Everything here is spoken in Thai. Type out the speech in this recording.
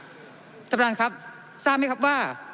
ท่านกลับของท่านครับทราบไหมครับว่า